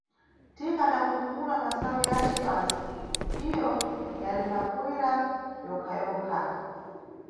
Thika adakhuthumula masayu yace pansi, iyo yali mafuyira yokha-yokha.